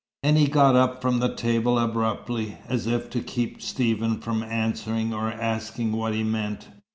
and he got up from the table abruptly, as if to keep Stephen from answering, or asking what he meant.